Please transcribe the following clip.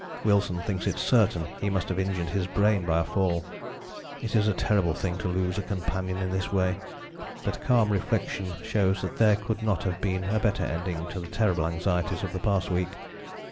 Wilson thinks it certain he must have injured his brain by a fall. It is a terrible thing to lose a companion in this way, but calm reflection shows that there could not have been a better ending to the terrible anxieties of the past week.